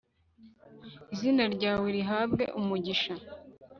izina ryawe rihabwe umugisha